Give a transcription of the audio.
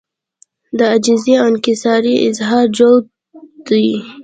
د عاجزۍاو انکسارۍ اظهار جوت دی